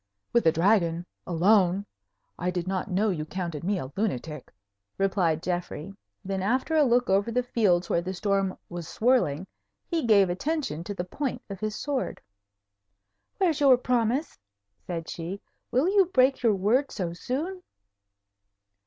"With the Dragon? Alone? I did not know you counted me a lunatic," replied Geoffrey. Then, after a look over the fields where the storm was swirling, he gave attention to the point of his sword. "Where's your promise?" said she. "Will you break your word so soon?"